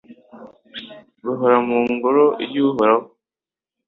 bahora mu Ngoro y’Uhoraho